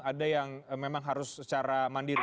ada yang memang harus secara mandiri